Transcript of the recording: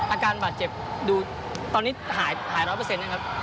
อาการบาดเจ็บตอนนี้หาย๑๐๐ใช่มั้ยครับ